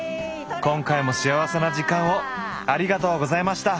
今回も幸せな時間をありがとうございました。